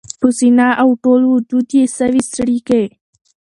په سینه او ټول وجود کي یې سوې څړیکي